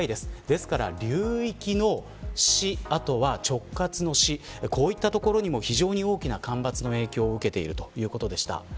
ですから流域の市、直轄の市こういった所にも非常に大きな干ばつの影響を受けているということでした。